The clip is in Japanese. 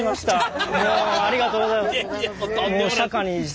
ありがとうございます。